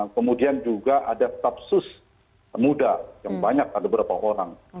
kemudian juga ada stafsus muda yang banyak ada berapa orang